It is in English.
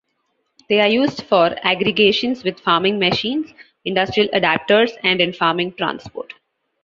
They are used for aggregations with farming machines, industrial adaptors and in farming transport.